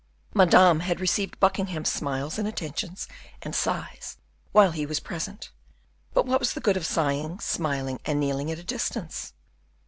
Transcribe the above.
Madame had received Buckingham's smiles and attentions and sighs while he was present; but what was the good of sighing, smiling, and kneeling at a distance?